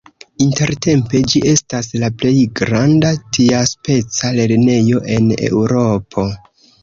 Intertempe ĝi estas la plej granda tiaspeca lernejo en Eŭropo.